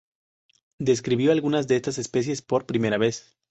Describió algunas de estas especies por primera vez.